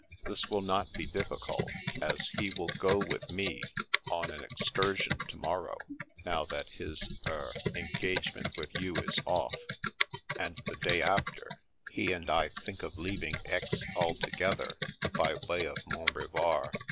This will not be difficult, as he will go with me on an excursion to morrow, now that his— er — engagement with you is off; and the day after, he and I think of leaving Aix altogether, by way of Mont Revard."